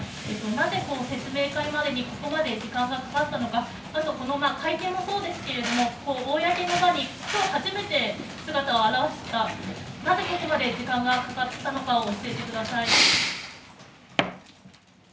なぜこの説明会までにここまで時間がかかったのか、あと、この会見もそうですけれども公の場に、きょう初めて姿を現した、なぜここまで時間がかかったのかを教えてください。